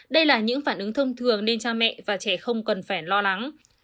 đây là những phản ứng thông thường nên cha mẹ và trẻ không cần phải lo lắng